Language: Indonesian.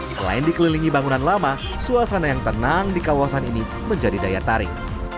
selain dikelilingi bangunan lama suasana yang tenang di kawasan ini menjadi daya tarik